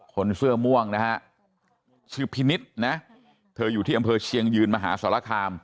คนเสื้อม่วงนะฮะชื่อพินิษฐ์นะเธออยู่ที่อำเภอเชียงยืนมหาสรคาม